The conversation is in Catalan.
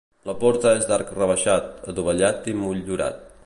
La porta és d'arc rebaixat, adovellat i motllurat.